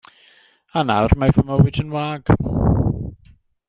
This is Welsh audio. A nawr mae fy mywyd yn wag.